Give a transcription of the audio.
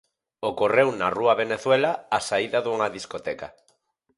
Ocorreu na rúa Venezuela á saída dunha discoteca.